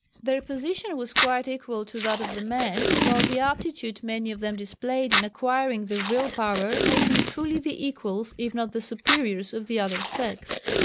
Their position was quite equal to that of the men, while the aptitude many of them displayed in acquiring the vril power made them fully the equals if not the superiors of the other sex.